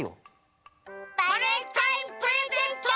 バレンタインプレゼント！